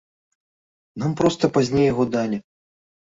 Нам проста пазней яго далі.